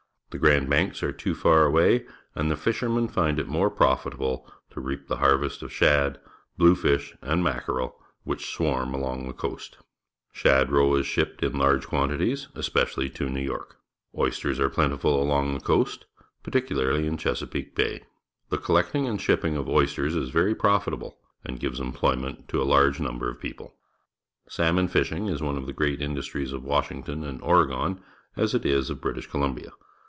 The Grand Banks are too far away, and the fishermen find it more profit able to reap the harvest of shad, bluefish, and mackerel which swarm along the coast. Shad^e^fe' shipped in large quantities, especially to New York. Oysters are plentiful all along the coast, particularly in Chesa THE UXITED STATES 133 peake Ba}'. The collecting and shipping of oysters is very profitable and gives employ ment to a large number of people. Salmorijfishing is one of the great indus tries of Washiiigton and Oregon, as it is of British Columbia.